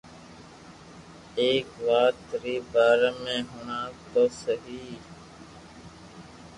ايڪ وات ري بارا ۾ ھڻاو تو سھي